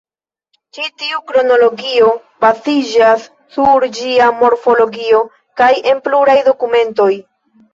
Ĉi tiu kronologio baziĝas sur ĝia morfologio kaj en pluraj dokumentoj.